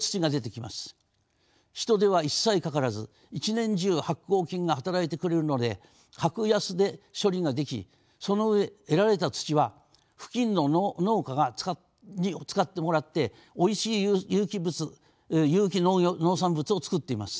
人手は一切かからず一年中発酵菌が働いてくれるので格安で処理ができその上得られた土は付近の農家に使ってもらっておいしい有機農産物をつくっています。